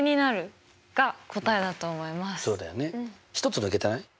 １つ抜けてない？